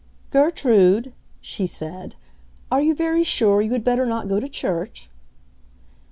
"Gertrude," she said, "are you very sure you had better not go to church?"